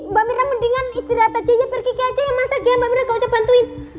mbak mirna mendingan istirahat aja ya pergi kiki aja ya mas aja ya mbak mirna gausah bantuin